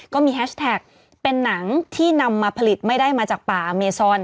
แฮชแท็กเป็นหนังที่นำมาผลิตไม่ได้มาจากป่าอเมซอน